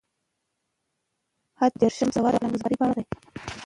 اته دېرشم سوال د پلانګذارۍ په اړه دی.